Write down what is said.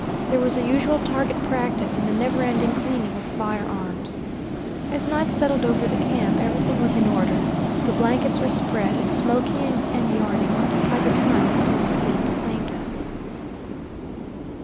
There was the usual target practice and the never ending cleaning of firearms. As night settled over the camp, everything was in order. The blankets were spread, and smoking and yarning occupied the time until sleep claimed us.